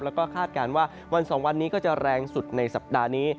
แล้วก็คาดการณ์ว่าวัน๒วันนี้ก็จะแรงสุดในสัปดาห์นี้